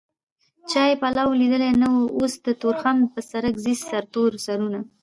چا يې پلو ليدلی نه و اوس د تورخم په سرک ځي سرتور سرونه